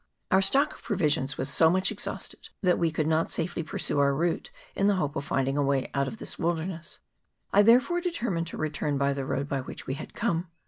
Our stock of provisions was so much exhausted, that we could not safely pursue our route in the hope of finding a way out of this wilderness ; I therefore determined to return by the road by which we had come.